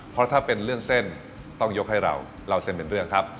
เพราะถ้าเป็นเรื่องเส้นต้องยกให้เราเล่าเส้นเป็นเรื่องครับ